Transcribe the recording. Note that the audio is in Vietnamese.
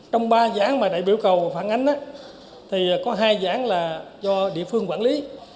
trong ba dự án mà đại biểu cầu phản ánh thì có hai dự án là do địa phương quản lý